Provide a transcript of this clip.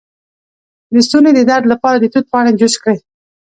د ستوني د درد لپاره د توت پاڼې جوش کړئ